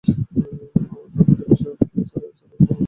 তার মাতৃভাষা আরবি, এছাড়াও ইংরেজি ও ভাঙা ভাঙা হিব্রু বলতে পারেন।